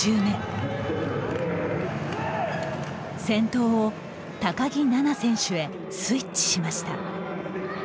先頭を高木菜那選手へスイッチしました。